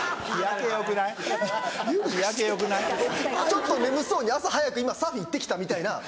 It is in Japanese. ちょっと眠そうに朝早く今サーフィン行って来たみたいな。